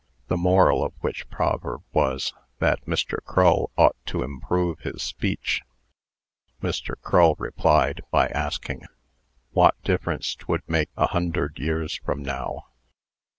The moral of which proverb was, that Mr. Crull ought to improve his speech. Mr. Crull replied, by asking "wot difference 'twould make a hunderd years from now?"